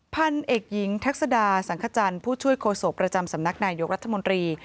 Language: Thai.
พันธุ์เอกยิงทักษดาสังคจรผู้ช่วยโคศพประจำสำนักนายยกรัฐมนตรี